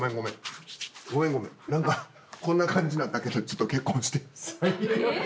何かこんな感じなったけどちょっと結婚して。